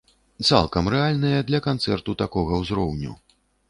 Цалкам рэальныя для канцэрту такога ўзроўню.